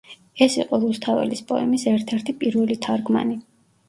ეს იყო რუსთაველის პოემის ერთ-ერთი პირველი თარგმანი.